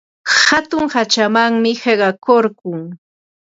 Hatun hachamanmi qiqakurqun.